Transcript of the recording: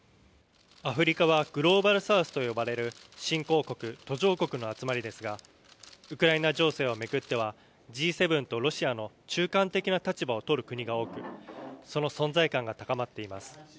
アフリカはグローバルサウスと呼ばれる新興国・途上国の集まりですがウクライナ情勢を巡っては、Ｇ７とロシアの中間的な立場をとる国が多く、その存在感が高まっています。